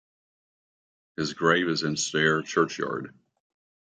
His grave is in Stair churchyard.